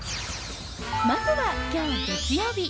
まずは今日、月曜日。